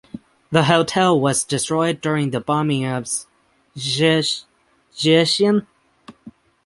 The hotel was destroyed during the bombing of Szczecin.